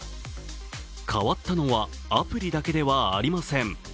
変わったのはアプリだけではありません。